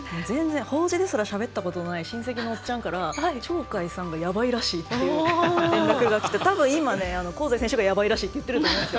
法事でもしゃべったことがない親戚のおっちゃんから鳥海さんがやばいらしいっていう連絡がきてたぶん、今ね香西選手がやばいらしいと言ってると思うんですよ。